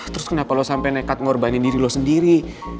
terus kenapa lo sampai nekat ngorbanin diri lo sendiri